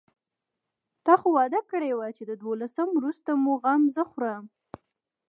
تا خو وعده کړې وه چې د دولسم وروسته مو غم زه خورم.